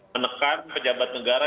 menekan pejabat negara